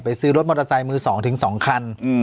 ไปซื้อรถมอเตอร์ไซค์มือสองถึงสองคันอืม